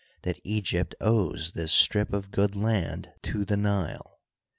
that Egypt owes this strip of good land to the Nile.